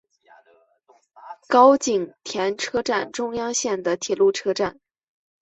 高井田车站中央线的铁路车站。